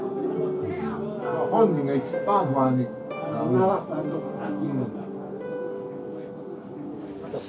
本人が一番不安に感じる。